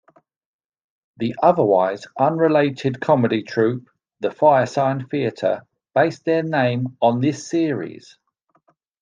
The otherwise-unrelated comedy troupe The Firesign Theatre based their name on this series.